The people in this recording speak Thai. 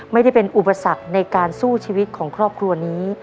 ไม่ได้เป็นอุปสรรคในการสู้ชีวิตของครอบครัวนี้